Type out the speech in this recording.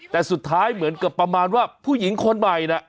แต่สุดท้ายเหมือนกับประมาณว่าผู้หญิงคนใหม่น่ะ